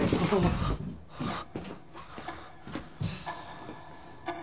ああ